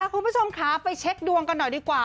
คุณผู้ชมค่ะไปเช็คดวงกันหน่อยดีกว่า